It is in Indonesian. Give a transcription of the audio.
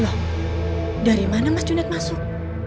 loh dari mana mas cunet masuk